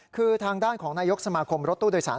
คือทางด้านของนายกสมาคมรถตู้โดยสาร